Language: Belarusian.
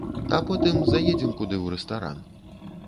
А потым заедзем куды ў рэстаран.